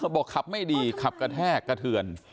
บอกขับไม่ดีขับกระแทกกระเทือน